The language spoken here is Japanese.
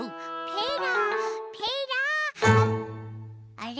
あれ？